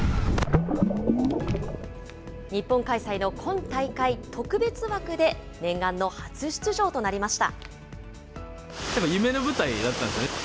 日本開催の今大会、特別枠で念願の初出場となりました。